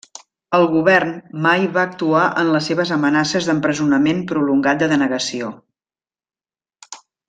El govern mai va actuar en les seves amenaces d'empresonament prolongat de denegació.